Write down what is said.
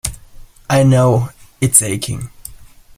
I know it's aching.